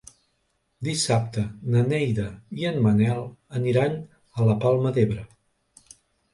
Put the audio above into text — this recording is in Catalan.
Dissabte na Neida i en Manel aniran a la Palma d'Ebre.